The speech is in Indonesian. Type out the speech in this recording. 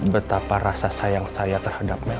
betapa rasa sayang saya terhadap mel